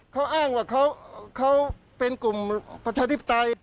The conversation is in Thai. เขาอ้างว่าเขาเป็นกลุ่มประชาธิปไตย